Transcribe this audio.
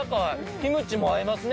キムチも合いますね、